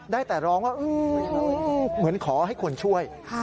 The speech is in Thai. ได้แต่ร้องว่าเหมือนขอให้คนช่วย